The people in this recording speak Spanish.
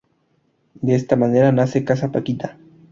De esta manera nace "Casa Paquita".